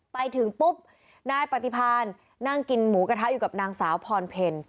ไปถึงปุ๊บนายปฏิพานนั่งกินหมูกระทะอยู่กับนางสาวพรเพล